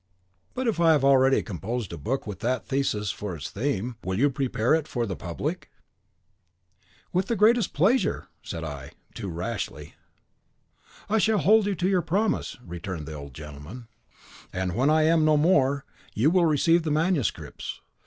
"But if I have already composed a book with that thesis for its theme, will you prepare it for the public?" "With the greatest pleasure," said I, alas, too rashly! "I shall hold you to your promise," returned the old gentleman, "and when I am no more, you will receive the manuscripts.